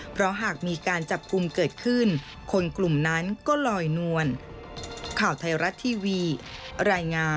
เพราะหากมีการจับกลุ่มเกิดขึ้นคนกลุ่มนั้นก็ลอยนวล